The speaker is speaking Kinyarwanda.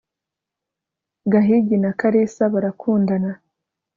gahigi na kalisa barakundana